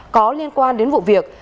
có liên quan đến vụ việc